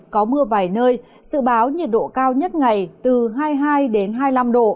có mưa vài nơi dự báo nhiệt độ cao nhất ngày từ hai mươi hai hai mươi năm độ